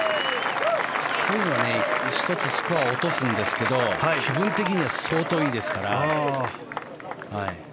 １つ、スコアは落とすんですけど気分的には相当いいですから。